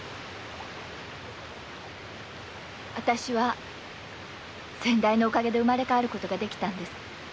私は先代のおかげで生まれ変わることができたんです。